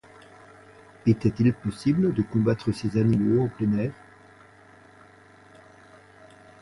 Était-il possible de combattre ces animaux en plein air?